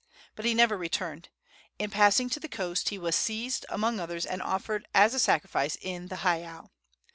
But he never returned. In passing to the coast he was seized, among others, and offered as a sacrifice in the heiau.